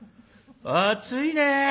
「暑いね。